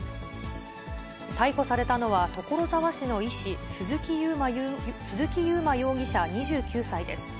逮捕されたのは、所沢市の医師、鈴木佑麿容疑者２９歳です。